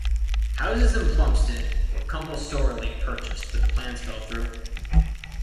Houses in Plumstead were compulsorily purchased but the plans fell through.